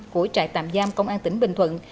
của trại tạm giam công an tỉnh bình thuận